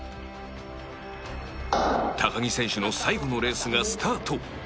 高木選手の最後のレースがスタート